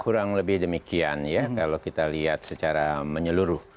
kurang lebih demikian ya kalau kita lihat secara menyeluruh